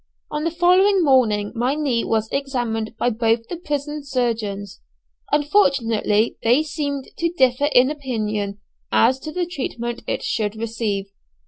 On the following morning my knee was examined by both the prison surgeons. Unfortunately they seemed to differ in opinion as to the treatment it should receive.